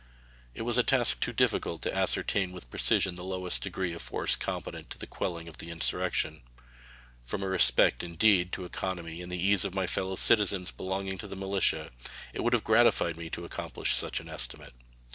It was a task too difficult to ascertain with precision the lowest degree of force competent to the quelling of the insurrection. From a respect, indeed, to economy and the ease of my fellow citizens belonging to the militia, it would have gratified me to accomplish such an estimate.